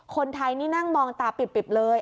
คนไทยนี่นั่งมองตาปิบเลย